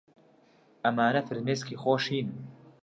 ئەمانە فرمێسکی خۆشین.